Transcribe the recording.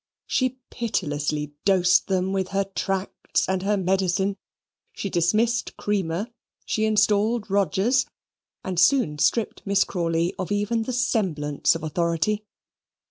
She pitilessly dosed them with her tracts and her medicine, she dismissed Creamer, she installed Rodgers, and soon stripped Miss Crawley of even the semblance of authority.